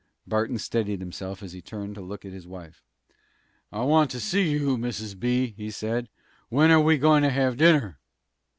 Barton steadied himself as he turned to look at his wife. "I want to see you, Mrs. B.," he said. "When are you goin' to have dinner?"